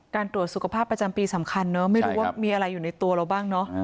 ตรวจสุขภาพประจำปีสำคัญเนอะไม่รู้ว่ามีอะไรอยู่ในตัวเราบ้างเนอะ